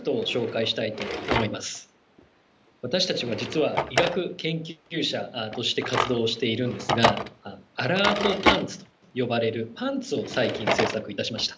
私たちは実は医学研究者として活動をしているんですがアラートパンツと呼ばれるパンツを最近制作いたしました。